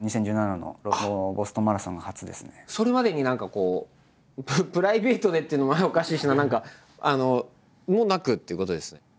それまでに何かこうプライベートでっていうのもおかしいしな何か。もなくっていうことですね？